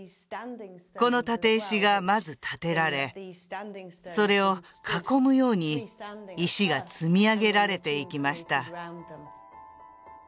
この立石がまず立てられそれを囲むように石が積み上げられていきました